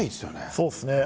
そうですね。